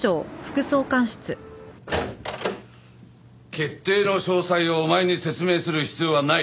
決定の詳細をお前に説明する必要はない。